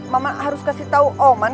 mama harus kasih tahu oman